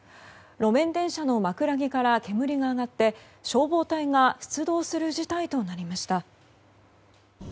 路面電車の枕木から煙が上がって消防隊が出動する事態となりました。